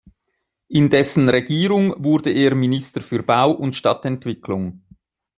In dessen Regierung wurde er Minister für Bau- und Stadtentwicklung.